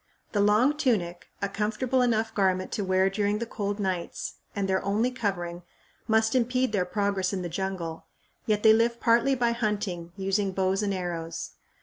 The long tunic, a comfortable enough garment to wear during the cold nights, and their only covering, must impede their progress in the jungle; yet they live partly by hunting, using bows and arrows.